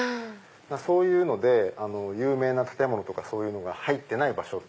そういうので有名な建物とか入ってない場所。